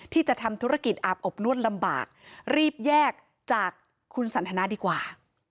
ที่จะทำธุรกิจอาบอบนวดลำบากรีบแยกจากคุณสันทนาดีกว่า